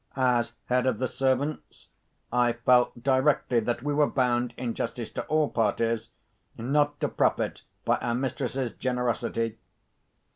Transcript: As head of the servants, I felt directly that we were bound, in justice to all parties, not to profit by our mistress's generosity.